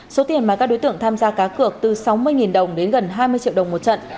số tiền mà các đối tượng tham gia cá cược từ sáu mươi đồng đến gần hai mươi triệu đồng một trận